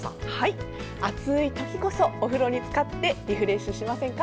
暑い時こそお風呂につかってリフレッシュしませんか？